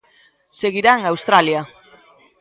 Seguirá en Australia.